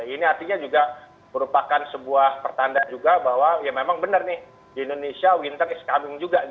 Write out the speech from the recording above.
ini artinya juga merupakan sebuah pertanda juga bahwa ya memang benar nih di indonesia winter is coming juga